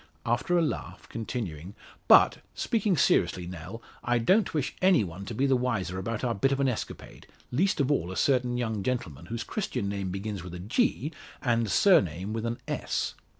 After a laugh, continuing: "But, speaking seriously, Nell, I don't wish any one to be the wiser about our bit of an escapade least of all, a certain young gentleman, whose Christian name begins with a G, and surname with an S."